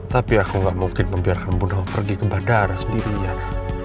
tapi aku gak mungkin membiarkan bunda awang pergi ke bandara sendirian